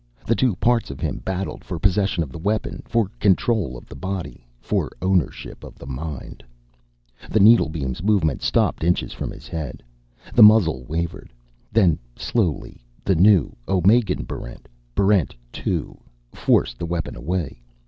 The two parts of him battled for possession of the weapon, for control of the body, for ownership of the mind. The needlebeam's movement stopped inches from his head. The muzzle wavered. Then slowly, the new Omegan Barrent, Barrent 2, forced the weapon away.